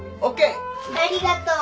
ありがとう。